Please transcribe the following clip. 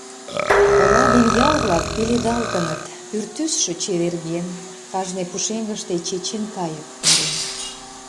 Ола ден ял-влак пеледалтыныт, пӱртӱсшӧ чеверген, кажне пушеҥгыште чечен кайык мурен.